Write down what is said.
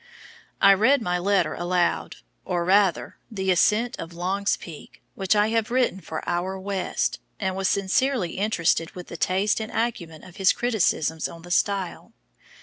I read my letter aloud or rather "The Ascent of Long's Peak," which I have written for Out West and was sincerely interested with the taste and acumen of his criticisms on the style.